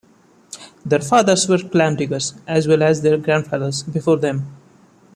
Their fathers were clam diggers as well as their grandfathers before them.